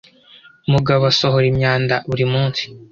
Mugabo asohora imyanda buri munsi